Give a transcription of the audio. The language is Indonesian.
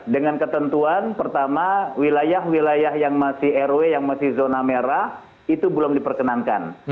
dengan ketentuan pertama wilayah wilayah yang masih rw yang masih zona merah itu belum diperkenankan